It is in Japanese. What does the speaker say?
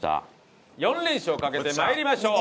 ４連勝かけて参りましょう。